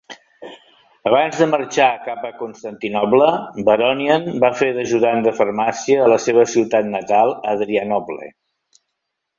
Abans de marxar cap a Constantinoble, Baronian va fer d'ajudant de farmàcia a la seva ciutat natal, Adrianople.